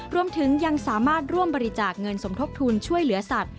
รวมถึงยังสามารถร่วมบริจาคเงินสมทบทุนช่วยเหลือสัตว